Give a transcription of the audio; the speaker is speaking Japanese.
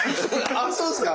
あそうですか。